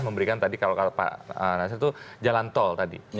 memberikan tadi kalau pak nasri itu jalan tol